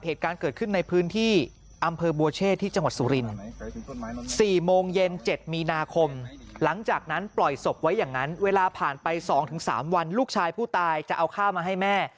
เหตุการณ์เกิดขึ้นในพื้นที่อำเภอบัวเชษที่จังหวัดสุรินทร์๔โมงเย็น๗มีนาคมหลังจากนั้นปล่อยศพไว้อย่างนั้นเวลาผ่านไป๒๓วันลูกชายผู้ตายจะเอาข้าวมาให้แม่